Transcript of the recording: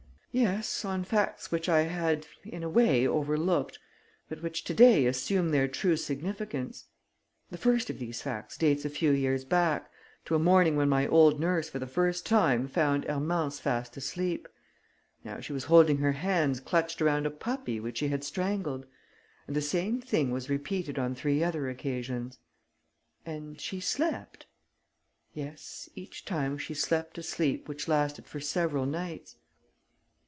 "Yes, on facts which I had, in a way, overlooked but which to day assume their true significance. The first of these facts dates a few years back, to a morning when my old nurse for the first time found Hermance fast asleep. Now she was holding her hands clutched around a puppy which she had strangled. And the same thing was repeated on three other occasions." "And she slept?" "Yes, each time she slept a sleep which lasted for several nights."